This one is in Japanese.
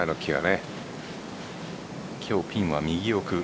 今日ピンは右奥。